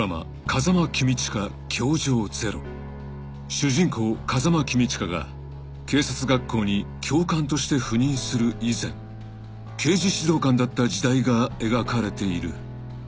［主人公風間公親が警察学校に教官として赴任する以前刑事指導官だった時代が描かれている］